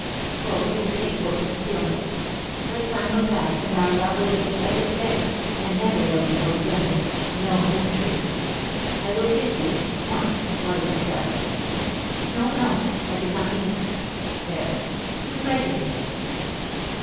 Oh ! this hateful concealment ; but time will pass and our love will be as bright as day, and then there will be no dimness, no mystery. I will kiss you — once — while it is dark, ,.. No, no ! I did not mean it. There !— you frighten me